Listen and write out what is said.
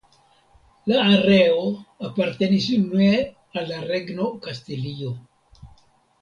La areo apartenis unue al la Regno Kastilio.